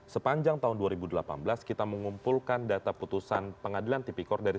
sepanjang tahun dua ribu delapan belas kita mengumpulkan data putusan pengadilan tipikor dari